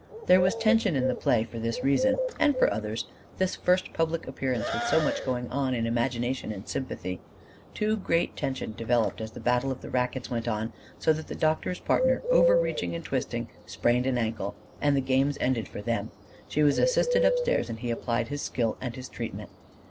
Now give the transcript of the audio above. There was tension in the play for this reason; and for others: this first public appearance with so much going on in imagination and sympathy. Too great tension developed as the battle of the racquets went on: so that the doctor's partner, overreaching and twisting, sprained an ankle, and the games ended for them: she was assisted upstairs, and he applied his skill and his treatment.